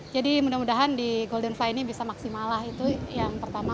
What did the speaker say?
jadi mudah mudahan di golden fly ini bisa maksimalah itu yang pertama